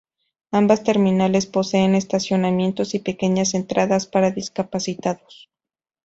Ambas terminales poseen estacionamientos y pequeñas entradas para discapacitados.